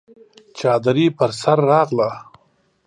چادري پر سر راغله!